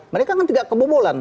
mereka kan tidak kebobolan